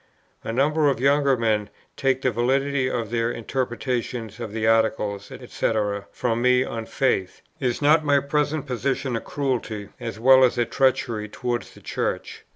A number of younger men take the validity of their interpretation of the Articles, &c. from me on faith. Is not my present position a cruelty, as well as a treachery towards the Church?